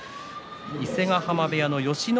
伊勢ヶ濱部屋の美ノ